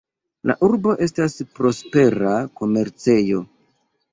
La urbo estas prospera komercejo.